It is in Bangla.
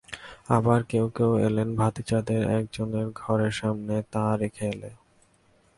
আবার কেউ কেউ বলেন, ভাতিজাদের একজনের ঘরের সামনে তা রেখে এল।